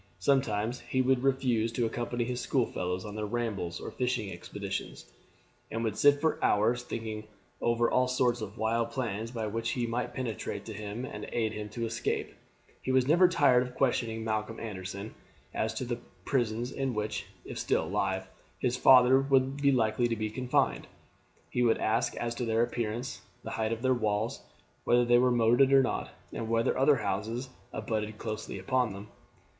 Sometimes he would refuse to accompany his school fellows on their rambles or fishing expeditions, and would sit for hours thinking over all sorts of wild plans by which he might penetrate to him and aid him to escape. He was never tired of questioning Malcolm Anderson as to the prisons in which, if still alive, his father would be likely to be confined. He would ask as to their appearance, the height of their walls, whether they were moated or not, and whether other houses abutted closely upon them.